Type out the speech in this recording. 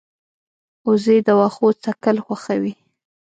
وزې د واښو څکل خوښوي